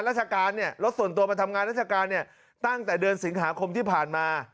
ราชการเนี่ยรถส่วนตัวมาทำงานราชการเนี่ยตั้งแต่เดือนสิงหาคมที่ผ่านมา